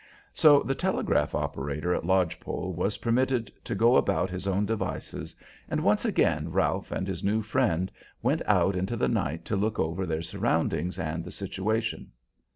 So the telegraph operator at Lodge Pole was permitted to go about his own devices, and once again Ralph and his new friend went out into the night to look over their surroundings and the situation.